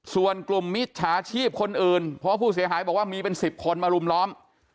ส่วนกลุ่มมิจฉาชีพคนอื่นเพราะผู้เสียหายบอกว่ามีเป็น๑๐คนมารุมล้อม